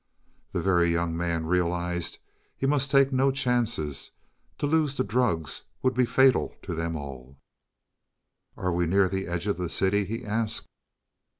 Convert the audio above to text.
The Very Young Man realized he must take no chances; to lose the drugs would be fatal to them all. "Are we near the edge of the city?" he asked.